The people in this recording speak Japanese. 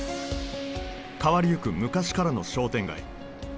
変わりゆく昔からの商店街。